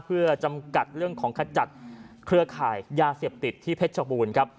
เพื่อจำกัดเรื่องของขจัดเครือข่ายยาเสพติดที่เพชรชบูรณ์ครับ